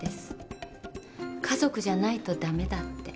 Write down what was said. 家族じゃないとダメだって。